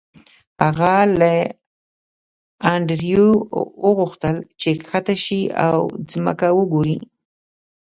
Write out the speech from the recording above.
هغه له انډریو وغوښتل چې ښکته شي او ځمکه وګوري